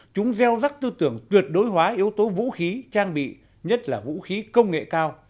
chúng gieo rắc tư tưởng tuyệt đối hóa yếu tố vũ khí trang bị nhất là vũ khí công nghệ cao